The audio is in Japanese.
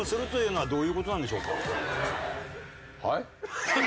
はい。